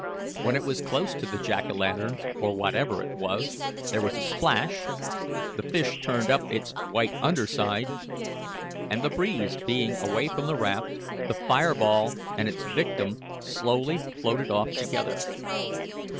When it was close to the Jack o' lantern, or whatever it was, there was a splash, the fish turned up its white under side, and, the breeze being away from the raft, the fire ball and its victim slowly floated off together.